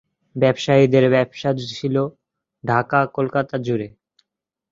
ব্যবসায়ীদের ব্যবসা ছিলো ঢাকা-কলকাতা জুড়ে।